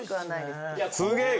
すげえ。